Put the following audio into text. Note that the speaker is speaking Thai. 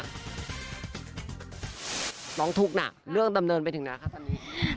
ร้องทุกข์หนักเรื่องดำเนินไปถึงไหนคะตอนนี้